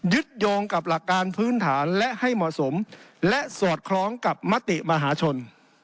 โยงกับหลักการพื้นฐานและให้เหมาะสมและสอดคล้องกับมติมหาชน